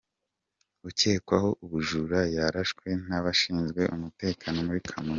Ukekwaho ubujura yarashwe n’abashinzwe umutekano Muri Kamonyi